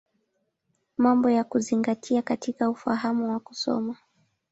Mambo ya Kuzingatia katika Ufahamu wa Kusoma.